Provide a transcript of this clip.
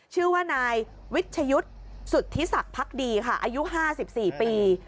ชื่อว่านายวิชยุทธ์สุธิศักดิ์พักดีค่ะอายุ๕๔ปี